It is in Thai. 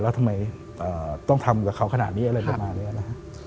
แล้วทำไมต้องทำกับเขาขนาดนี้อะไรประมาณนี้นะฮะ